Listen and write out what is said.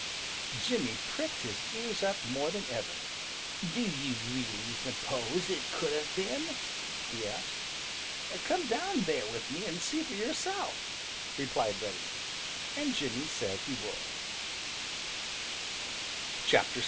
Jimmy pricked his ears up more than ever. "Do you really suppose it could have been?" he asked. "Come down there with me and see for yourself," replied Reddy. And Jimmy said he would. VI.